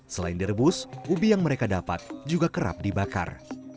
selain direbus ubi yang mereka dapat juga kerap dibakar